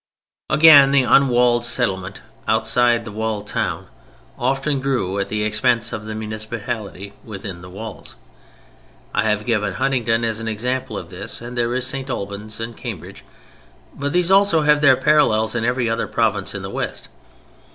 Again, the unwalled settlement outside the walled town often grew at the expense of the municipality within the walls. I have given Huntingdon as an example of this; and there is St. Albans, and Cambridge. But these also have their parallels in every other province of the West.